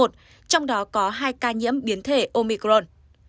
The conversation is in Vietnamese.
trong đó có hai ca nhiễm biến thể omicron